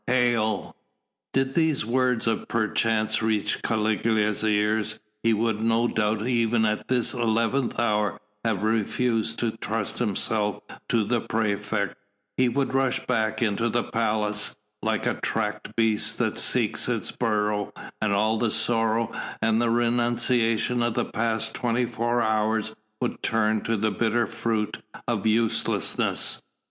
Hail!" Did these words perchance reach Caligula's ears he would no doubt even at this eleventh hour have refused to trust himself to the praefect; he would rush back into the palace, like a tracked beast that seeks its burrow, and all the sorrow and the renunciation of the past twenty four hours would turn to the bitter fruit of uselessness.